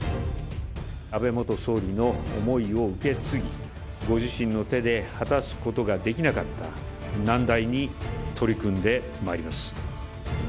安倍元総理の思いを受け継ぎ、ご自身の手で果たすことができなかった難題に取り組んでまいります。